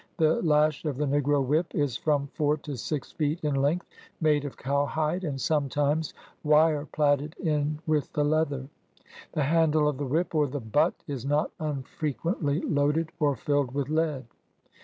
The lash of the negro whip is from four to six feet in length, made of cowhide, and sometimes wire plaited in with the leather. The handle of the whip, or the butt, is not unfrequently loaded or filled with lead.